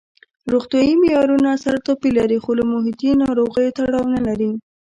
روغتیايي معیارونه سره توپیر لري خو له محیطي ناروغیو تړاو نه لري.